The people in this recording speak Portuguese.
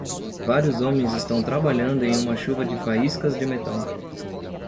Vários homens estão trabalhando em uma chuva de faíscas de metal.